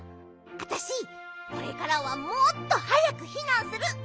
あたしこれからはもっとはやくひなんする。